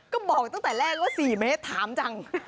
ก็บอกตั้งแต่แรกว่า๔เมตรถามจัง